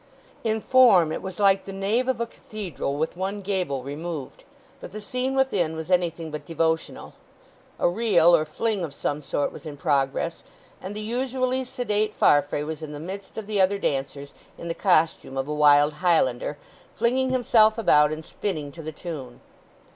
In form it was like the nave of a cathedral with one gable removed, but the scene within was anything but devotional. A reel or fling of some sort was in progress; and the usually sedate Farfrae was in the midst of the other dancers in the costume of a wild Highlander, flinging himself about and spinning to the tune.